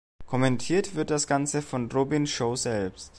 Kommentiert wird das Ganze von Robin Shou selbst.